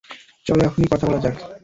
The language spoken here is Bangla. চল এখনই কথা বলা যাক।